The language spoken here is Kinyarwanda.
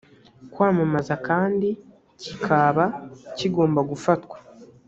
kwamamaza kandi kikaba kigomba gufatwa